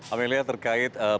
amelia terkait pertanyaan